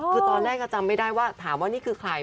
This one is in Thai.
คือตอนแรกก็จำไม่ได้ว่าถามว่านี่คือใคร